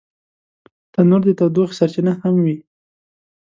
تنور د تودوخې سرچینه هم وي